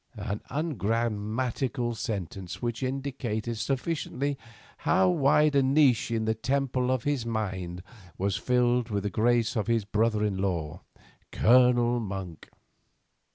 an ungrammatical sentence which indicated sufficiently how wide a niche in the temple of his mind was filled with the image of his brother in law, Colonel Monk.